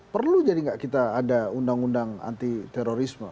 perlu jadi nggak kita ada undang undang anti terorisme